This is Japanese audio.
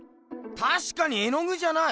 たしかに絵の具じゃない！